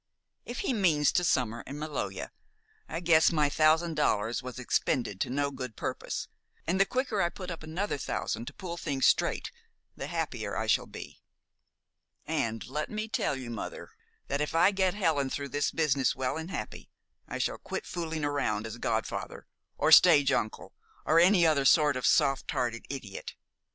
If he means to summer at Maloja, I guess my thousand dollars was expended to no good purpose, and the quicker I put up another thousand to pull things straight the happier I shall be. And let me tell you, mother, that if I get Helen through this business well and happy, I shall quit fooling round as godfather, or stage uncle, or any other sort of soft hearted idiot.